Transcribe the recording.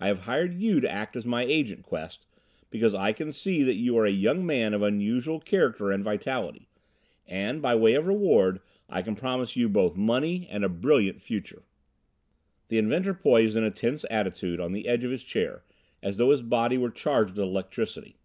I have hired you to act as my Agent, Quest, because I can see that you are a young man of unusual character and vitality. And by way of reward I can promise you both money and a brilliant future." The inventor poised in a tense attitude on the edge of his chair as though his body were charged with electricity.